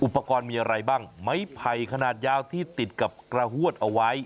อุปกรณ์มีอะไรบ้างไม้ไผ่ขนาดยาวที่ติดกับกระหวดเอาไว้